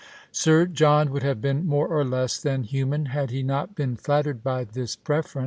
Sir John would have been more or less than human had he not been flattered by this preference.